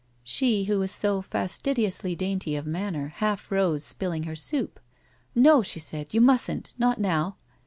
She, who was so fastidiously dainty of manner, half rose, spilling her soup. "No," she said, "you mustn't! Not now!"